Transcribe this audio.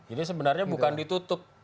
jadi sebenarnya bukan ditutup